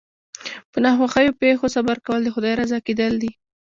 په ناخوښو پېښو صبر کول د خدای رضا کېدل دي.